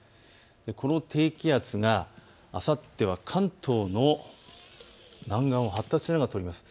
この低気圧があさっては、関東の南岸を発達しながら通ります。